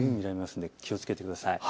気をつけてください。